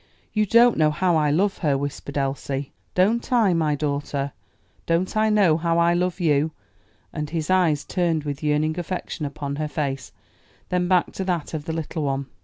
you don't know how I love her!" whispered Elsie. "Don't I, my daughter? don't I know how I love you?" And his eyes turned with yearning affection upon her face, then back to that of the little one.